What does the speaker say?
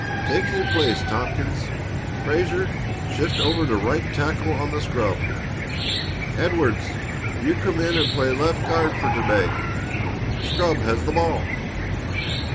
Take your place, Tompkins. Frazer, shift over to right tackle on the scrub. Edwards, you come in and play left guard for to day. Scrub has the ball."